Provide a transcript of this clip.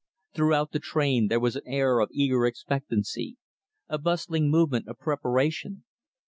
Throughout the train, there was an air of eager expectancy; a bustling movement of preparation.